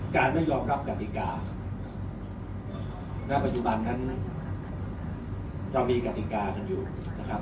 ไม่ยอมรับกติกาณปัจจุบันนั้นเรามีกติกากันอยู่นะครับ